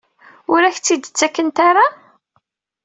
Ur ak-tt-id-ttakent ara?